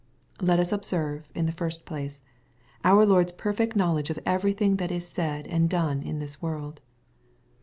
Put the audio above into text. Let us observe, in the first place, our Lord's perfed knowledge of everything that is said and done in this world.